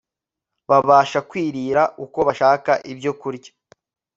babasha kwirira uko bashaka ibyokurya